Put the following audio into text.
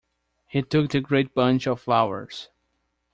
He took the great bunch of flowers.